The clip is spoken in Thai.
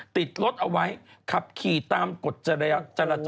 ติดรถเอาไว้ขับขี่ตามกฎจรจร